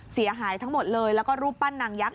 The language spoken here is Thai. เสียหายทั้งหมดเลยแล้วก็รูปปั้นนางยักษ